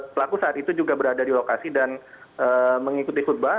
pelaku saat itu juga berada di lokasi dan mengikuti khutbah